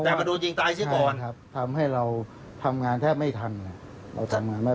แต่มาโดนยิงตายเสียก่อนครับทำให้เราทำงานแทบไม่ทันเราทำงานไม่